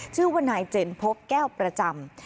ชื่อว่านายเจนพบแก้วประจำ